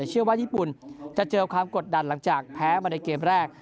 เชื่อว่าญี่ปุ่นจะเจอความกดดันหลังจากแพ้มาในเกมแรก